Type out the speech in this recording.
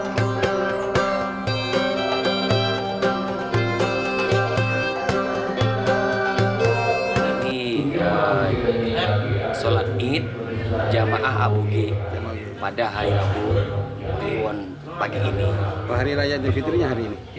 selisih dua hari sama pemerintah